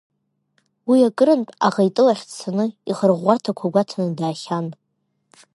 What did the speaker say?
Уи акырантә аӷа итыл ахь дцаны, ихырӷәӷәарҭақәа гәаҭаны даахьан.